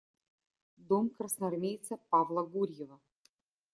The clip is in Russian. Дом красноармейца Павла Гурьева.